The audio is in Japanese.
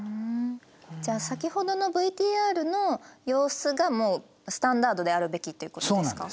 じゃあ先ほどのＶＴＲの様子がもうスタンダードであるべきっていうことですか？